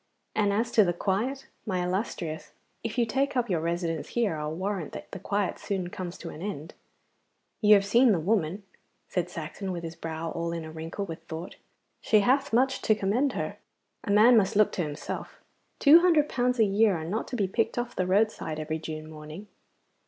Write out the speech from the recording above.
And as to the quiet, my illustrious, if you take up your residence here I'll warrant that the quiet soon comes to an end.' 'You have seen the woman,' said Saxon, with his brow all in a wrinkle with thought. 'She hath much to commend her. A man must look to himself. Two hundred pounds a year are not to be picked off the roadside every June morning.